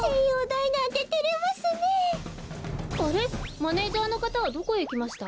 マネージャーのかたはどこへいきました？